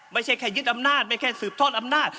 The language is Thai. ไม่ใช่แค่ยึดอำนาจไม่แค่สืบทอดอำนาจ